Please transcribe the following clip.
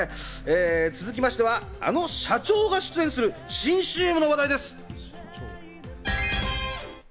続きましては、あの社長が出演する新ＣＭの話題です。